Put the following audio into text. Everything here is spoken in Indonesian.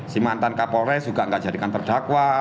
si mantan kapolres juga nggak jadikan terdakwa